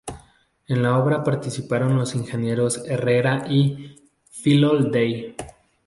En la obra participaron los ingenieros Herrera y Fillol Day.